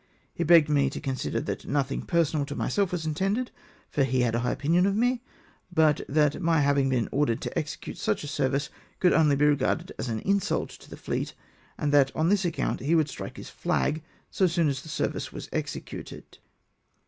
He begged me to consider that nothing personal to myself was intended, for he had a high opinion of me ; but that my having been ordered to execute such a service, could only be re garded as an insult to the fleet, and that on tliis account he would strike his flag so soon as the service was executed."